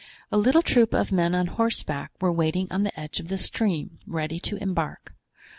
A little troop of men on horseback were waiting on the edge of the stream, ready to embark.